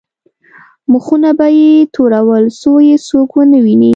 مخونه به یې تورول څو یې څوک ونه ویني.